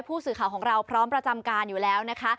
ผู้สื่อข่าวของเราพร้อมประจำการอยู่แล้วนะคะ